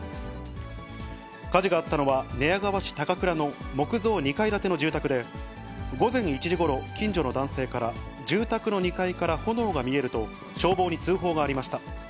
火事があったのは、寝屋川市高倉の木造２階建ての住宅で、午前１時ごろ、近所の男性から、住宅の２階から炎が見えると、消防に通報がありました。